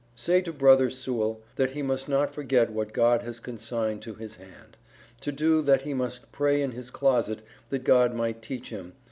Say to brother suel that he must not forget what god has consighn to his hand, to do that he must pray in his closet that god might teach him.